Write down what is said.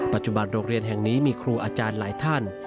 ปัจจุบันโรงเรียนแห่งนี้มีครูอาจารย์หลายท่าน